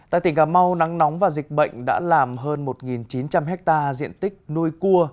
tại tỉnh cà mau nắng nóng và dịch bệnh đã làm hơn một chín trăm linh hectare diện tích nuôi cua